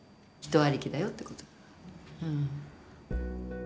人ありきだよってこと。